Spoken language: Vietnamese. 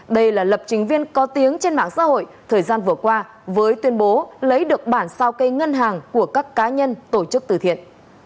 đây là lập chính viên có tiếng trên mạng xã hội thời gian vừa qua với tuyên bố lấy được bản sao cây ngân hàng của các cá nhân tổ chức từ thiện